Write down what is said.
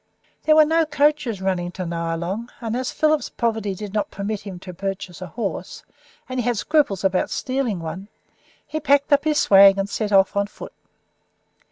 There were no coaches running to Nyalong, and, as Philip's poverty did not permit him to purchase a horse, and he had scruples about stealing one, he packed up his swag and set out on foot.